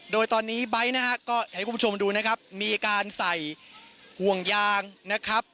โดยตอนนี้บั้ยนะครับมีการใส่ห่วงยางนะครับ